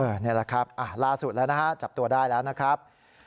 นี่แหละครับล่าสุดแล้วนะฮะจับตัวได้แล้วนะครับ